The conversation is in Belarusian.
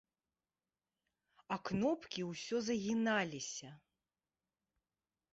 А кнопкі ўсё загіналіся.